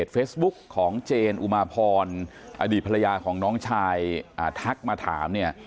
เฟซบุ๊กของเจนอุมาพรอดีตภรรยาของน้องชายทักมาถามเนี่ย